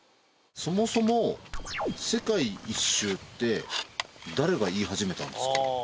そもそも世界一周って誰が言い始めたんですか？